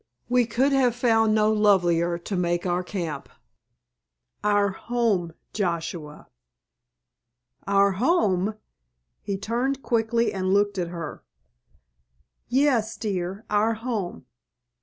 We could have found no lovelier to make our camp." "Our home, Joshua." "Our home?" He turned quickly and looked at her. "Yes, dear, our home.